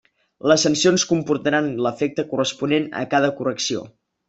Les sancions comportaran l'efecte corresponent a cada correcció.